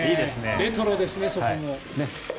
レトロですね、そこも。